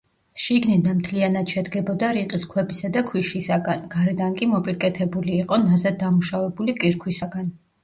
შიგნიდან მთლიანად შედგებოდა რიყის ქვებისა და ქვიშისაგან, გარედან კი მოპირკეთებული იყო ნაზად დამუშავებული კირქვისაგან.